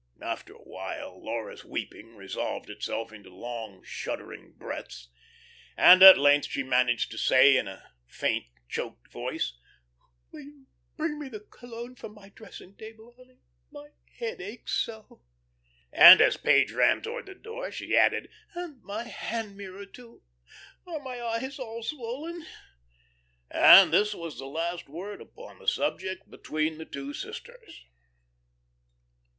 After a while Laura's weeping resolved itself into long, shuddering breaths, and at length she managed to say, in a faint, choked voice: "Will you bring me the cologne from my dressing table, honey? My head aches so." And, as Page ran towards the door, she added: "And my hand mirror, too. Are my eyes all swollen?" And that was the last word upon the subject between the two sisters.